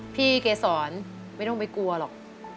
เกษรไม่ต้องไปกลัวหรอก